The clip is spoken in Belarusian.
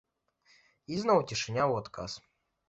Ізноў цішыня ў адказ.